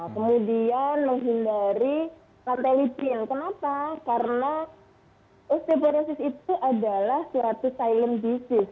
kemudian menghindari lantai licin kenapa karena osteoporosis itu adalah suatu silent disease